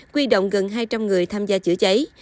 quy động gần hai trăm linh người tham gia chữa cháy